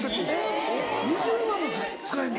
えっ２０万も使えんの？